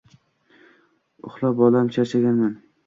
Uxla, bolam, charchaganman.